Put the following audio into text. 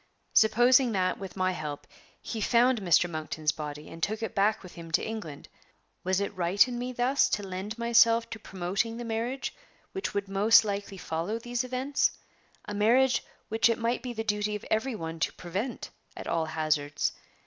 Supposing that, with my help, he found Mr. Monkton's body, and took it back with him to England, was it right in me thus to lend myself to promoting the marriage which would most likely follow these events a marriage which it might be the duty of every one to prevent at all hazards?